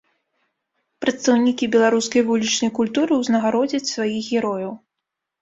Прадстаўнікі беларускай вулічнай культуры ўзнагародзяць сваіх герояў.